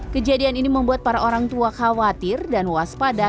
kejadian ini membuat para orang tua khawatir dan waspada